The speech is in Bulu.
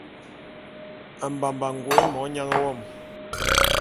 Mbamba’a ngoke monyang wo;